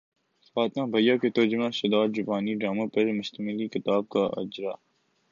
فاطمہ بجیا کے ترجمہ شدہ جاپانی ڈراموں پر مشتمل کتاب کا اجراء